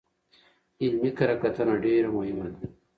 علمي کره کتنه ډېره مهمه ده.